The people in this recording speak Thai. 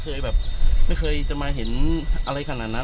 เคยแบบไม่เคยจะมาเห็นอะไรขนาดนั้น